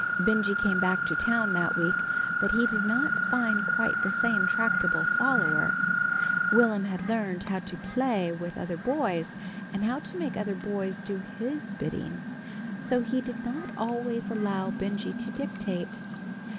Benjy came back to town that week, but he did not find quite the same tractable follower. Will'm had learned how to play with other boys, and how to make other boys do his bidding, so he did not always allow Benjy to dictate.